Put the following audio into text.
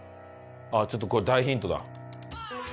ちょっとこれ大ヒントだ。